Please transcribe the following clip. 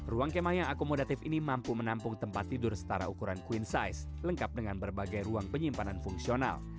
ruang kemah yang akomodatif ini mampu menampung tempat tidur setara ukuran queen size lengkap dengan berbagai ruang penyimpanan fungsional